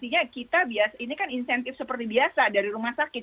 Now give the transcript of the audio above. ya artinya ini kan insentif seperti biasa dari rumah sakit